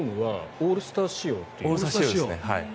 オールスター仕様ですね。